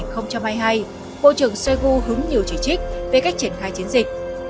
bộ trưởng shoigu hứng nhiều chỉ trích về cách triển khai chiến dịch